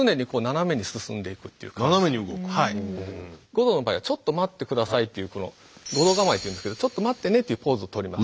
護道の場合は「ちょっと待って下さい」っていうこの護道構えっていうんですけど「ちょっと待ってね」っていうポーズをとります。